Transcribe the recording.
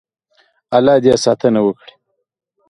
الله دې ساتنه وکړي.